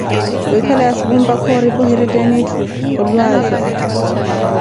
wiikhala ya supu mpaka oripa ohirettaka etthu olwaaza.